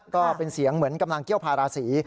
ก็เป็นเสียงเหมือนกำลังเกี้ยวพาราศี